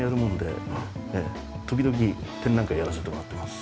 時々展覧会やらせてもらってます。